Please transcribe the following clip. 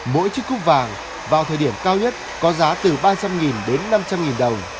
mỗi chiếc cúp vàng vào thời điểm cao nhất có giá từ ba trăm linh đến năm trăm linh đồng